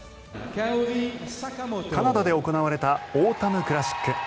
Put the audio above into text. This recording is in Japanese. カナダで行われたオータム・クラシック。